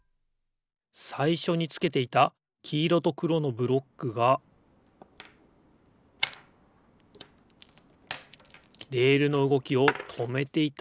さいしょにつけていたきいろとくろのブロックがレールのうごきをとめていたんですね。